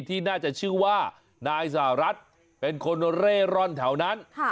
ที่น่าจะชื่อว่านายสหรัฐเป็นคนเร่ร่อนแถวนั้น